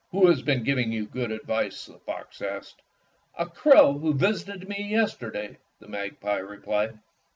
"Who has been giving you good advice?" the fox asked. "A crow who visited me yesterday," the magpie replied.